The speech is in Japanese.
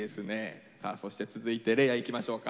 さあそして続いて嶺亜いきましょうか。